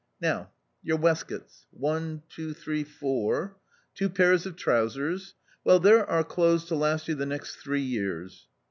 Now your waistcoats — one, two, three, four. Two pairs of trousers. Well, there are clothes to last you the next three years.